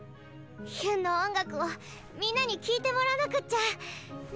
ヒュンの音楽をみんなに聴いてもらわなくっちゃ。ね？